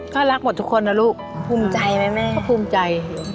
ก็รักหมดทุกคนนะลูกคุณแม่ก็ภูมิใจ